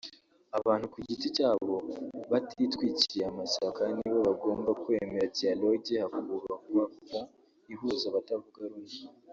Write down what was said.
Abantu ku giti cyabo batitwikiriye amashyaka nibo bagomba kwemera dialogue hakubakwa pont ihuza abatavuga rumwe